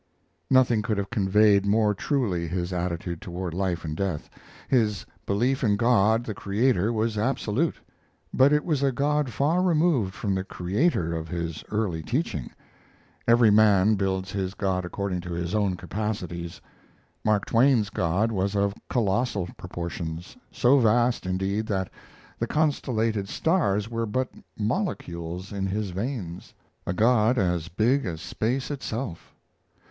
Nothing could have conveyed more truly his attitude toward life and death. His belief in God, the Creator, was absolute; but it was a God far removed from the Creator of his early teaching. Every man builds his God according to his own capacities. Mark Twain's God was of colossal proportions so vast, indeed, that the constellated stars were but molecules in His veins a God as big as space itself.